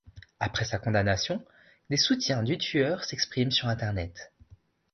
Après sa condamnation, des soutiens du tueur s’expriment sur Internet.